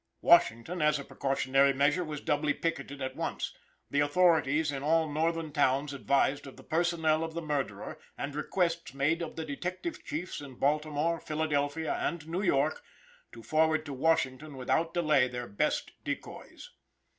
Washington, as a precautionary measure, was doubly picketed at once; the authorities in all northern towns advised of the personnel of the murderer, and requests made of the detective chiefs in Baltimore, Philadelphia, and New York, to forward to Washington without delay their best decoys.